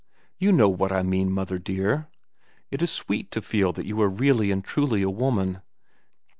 You know what I mean, mother dear. It is sweet to feel that you are really and truly a woman."